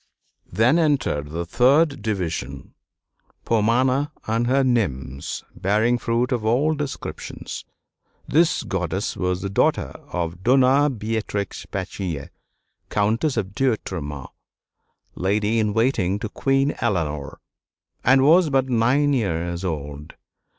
Then entered the third division Pomona and her nymphs bearing fruit of all descriptions. This goddess was the daughter of Donna Beatrix Pacheco, Countess d'Autremont, lady in waiting to Queen Eleanor, and was but nine years old.